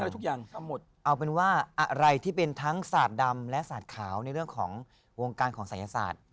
ทุกอย่างเอาเป็นว่าอะไรที่เป็นทั้งศาสตร์ดำและศาสตร์ขาวในเรื่องของวงการของศัยศาสตร์